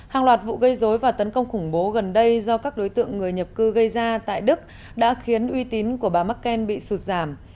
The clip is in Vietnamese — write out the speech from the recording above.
hàng loạt vụ gây dối và tấn công khủng bố gần đây do các đối tượng người nhập cư gây ra tại đức đã khiến uy tín của bà merkel bị sụt giảm